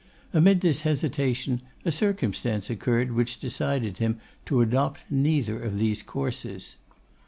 Amid this hesitation a circumstance occurred which decided him to adopt neither of these courses.